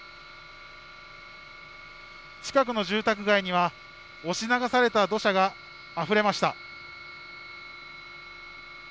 近くの住宅街には押し流された土砂があふれました。